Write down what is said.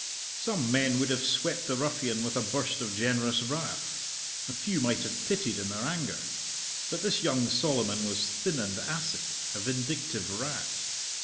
Some men would have swept the ruffian with a burst of generous wrath, a few might have pitied in their anger; but this young Solomon was thin and acid, a vindictive rat.